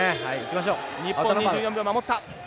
日本、２４秒を守った。